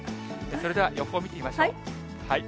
それでは予報見てみましょう。